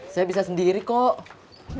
saya bisa sendiri kok